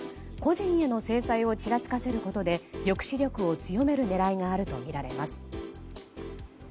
個人への制裁をちらつかせることで抑止力を強める狙いがあるとみられます。